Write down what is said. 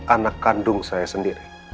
anak kandung saya sendiri